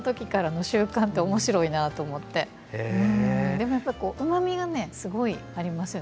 でもやっぱうまみがすごいありますよね。